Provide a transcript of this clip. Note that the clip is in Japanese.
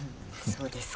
そうです。